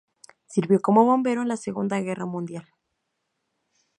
Sirvió como bombero en la Segunda Guerra Mundial.